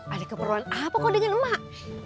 ada keperluan apa kau dengan emak